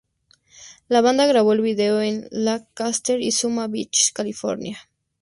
La banda grabó el vídeo en Lancaster y Zuma Beach, California.